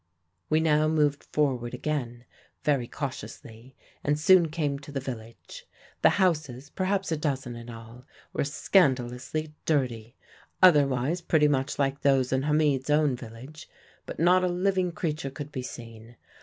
"We now moved forward again, very cautiously, and soon came to the village. The houses, perhaps a dozen in all, were scandalously dirty, otherwise pretty much like those in Hamid's own village. But not a living creature could be seen.